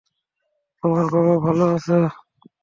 তোমার বাবা ভালো আছে?